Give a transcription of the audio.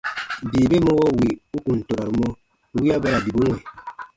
Bii ben mɔwo wì u kùn toraru mɔ, wiya ba ra bibu wɛ̃.